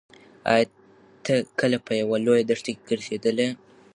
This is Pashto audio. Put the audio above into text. ایا ته کله په یوه لویه دښته کې ګرځېدلی یې؟